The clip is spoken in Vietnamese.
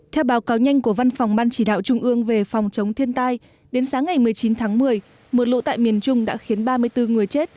theo báo cáo nhanh của văn phòng ban chỉ đạo trung ương về phòng chống thiên tai đến sáng ngày một mươi chín tháng một mươi mưa lộ tại miền trung đã khiến ba mươi bốn người chết